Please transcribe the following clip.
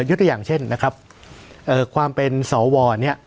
ยกตัวอย่างเช่นนะครับเอ่อความเป็นสวเนี่ย